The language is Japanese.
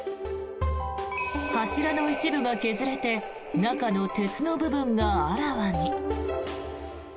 柱の一部が削れて中の鉄の部分があらわに。